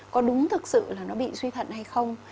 có đúng thực sự là nó bị suy thận hay không